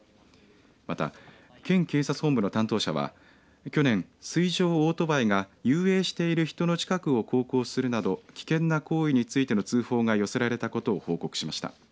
また、県警察本部の担当者は去年、水上オートバイが遊泳している人の近くを航行するなど危険な行為についての通報が寄せられたことを報告しました。